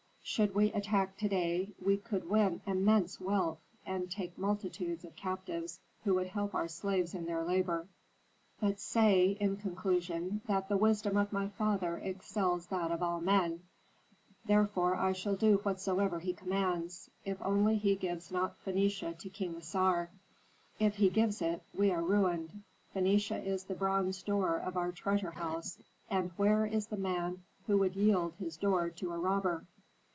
Should we attack to day, we could win immense wealth, and take multitudes of captives who would help our slaves in their labor. "But say, in conclusion, that the wisdom of my father excels that of all men, therefore I shall do whatsoever he commands, if only he gives not Phœnicia to King Assar; if he gives it, we are ruined. Phœnicia is the bronze door of our treasure house, and where is the man who would yield his door to a robber?"